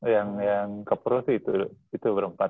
yang ke pro sih itu itu berempat